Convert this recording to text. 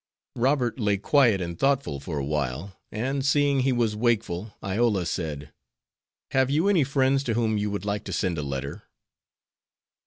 Robert lay quiet and thoughtful for awhile and, seeing he was wakeful, Iola said, "Have you any friends to whom you would like to send a letter?"